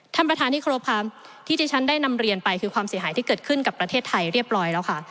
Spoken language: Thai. ท่านประธานที่ครบค่ะที่ที่ฉันได้นำเรียนไปคือความเสียหายที่เกิดขึ้นกับประเทศไทยเรียบร้อยแล้วค่ะ